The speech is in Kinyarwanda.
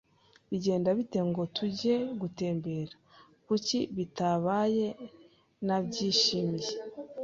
"Bigenda bite ngo tujye gutembera?" "Kuki bitabaye? Nabyishimiye."